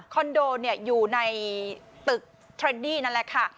นโดอยู่ในตึกเทรนดี้นั่นแหละค่ะ